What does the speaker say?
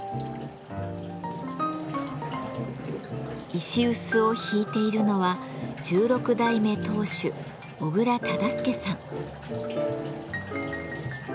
石うすをひいているのは１６代目当主小倉忠輔さん。